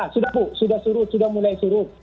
sudah sudah bu sudah mulai surut